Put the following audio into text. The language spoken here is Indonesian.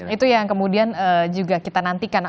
itu yang kemudian juga kita nantikan